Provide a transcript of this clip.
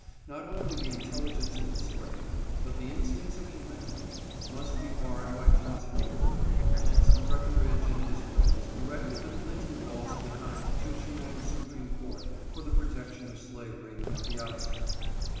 Not only the intelli gence of the slave, but the instincts of humanity, must be barred by positive law, hence Breckenridge and his friends erected the flinty walls of the Constitution and the Supreme Court for the protection of slavery at the outset.